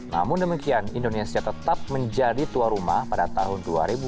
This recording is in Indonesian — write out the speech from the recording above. namun demikian indonesia tetap menjadi tuan rumah pada tahun dua ribu dua puluh